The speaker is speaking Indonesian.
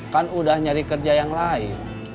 kan udah nyari kerja yang lain